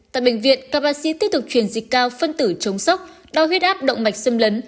tại bệnh viện các bác sĩ tiếp tục truyền dịch cao phân tử chống sốc đo huyết áp động mạch xâm lấn